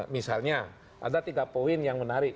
misalnya ada tiga poin yang menarik